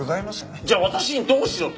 じゃあ私にどうしろと？